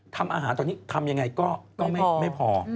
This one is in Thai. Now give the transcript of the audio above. ทำอาหารตอนนี้ทำยังไงก็ไม่พอ